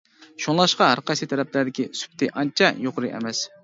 شۇڭلاشقا ھەرقايسى تەرەپلەردىكى سۈپىتى ئانچە يۇقىرى ئەمەس.